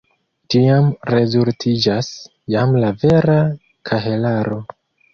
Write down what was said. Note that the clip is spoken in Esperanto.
Tiam rezultiĝas jam la vera kahelaro.